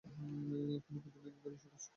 তিনি প্রতিনিধি দলের সদস্য ছিলেন।